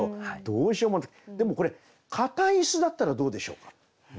でもこれ硬い椅子だったらどうでしょうか。